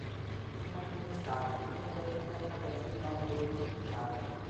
In alcuni stati è in vendita attraverso il download digitale.